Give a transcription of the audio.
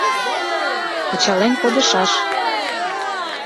Ачален кодышаш.